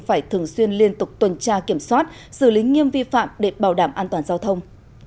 phải thường xuyên liên tục tuần tra kiểm soát xử lý nghiêm vi phạm để bảo đảm an toàn giao thông